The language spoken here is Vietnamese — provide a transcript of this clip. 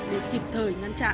để kịp thời ngăn chặn